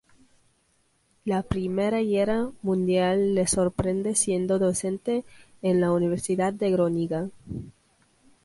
La I Guerra mundial le sorprende siendo docente en la Universidad de Groninga.